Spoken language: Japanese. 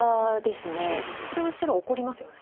これは白怒りますよね。